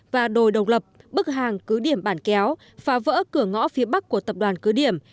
và đồi độc lập bức hàng cứ điểm bản kéo phá vỡ cửa ngõ phía bắc của tập đoàn cứ điểm